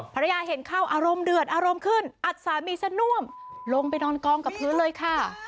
ภรรยาเห็นเข้าอารมณ์เดือดอารมณ์ขึ้นอัดสามีซะน่วมลงไปนอนกองกับพื้นเลยค่ะ